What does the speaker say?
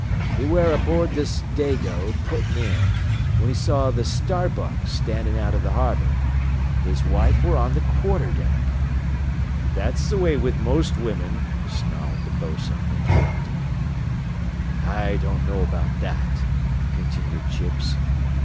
"He ware aboard this Dago, puttin' in, whin he saw th' Starbuck standin' out o' th' harbor. His wife ware on th' quarter deck " "That's the way with most women," snarled the bos'n, interrupting. "I don't know about that," continued Chips.